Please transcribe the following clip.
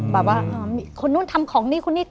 แบบว่ามีคนนู้นทำของนี่คนนี้